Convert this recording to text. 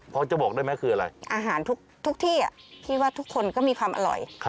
พอจะบอกได้ไหมคืออะไรอาหารทุกที่พี่ว่าทุกคนก็มีความอร่อย